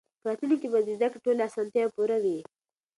په راتلونکي کې به د زده کړې ټولې اسانتیاوې پوره وي.